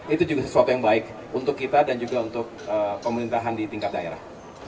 itu juga sesuatu yang baik untuk kita dan juga untuk pemerintahan di tingkat daerah